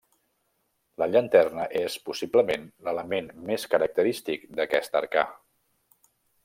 La llanterna és, possiblement, l’element més característic d’aquest arcà.